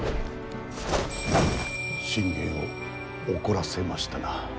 信玄を怒らせましたな。